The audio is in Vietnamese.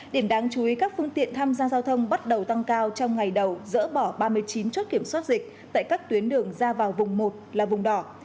điểm đáng chú ý các phương tiện tham gia giao thông bắt đầu tăng cao trong ngày đầu dỡ bỏ ba mươi chín chốt kiểm soát dịch tại các tuyến đường ra vào vùng một là vùng đỏ